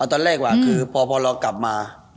เอาตอนแรกก่อนคือพอเรากลับมา